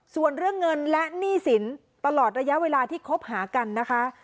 ส่วนเรื่องเงินและหนี้สินตลอดระยะเวลาที่คบหากันนะคะ